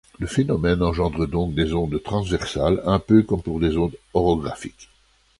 Le phénomène engendre donc des ondes transversales un peu comme pour les ondes orographiques.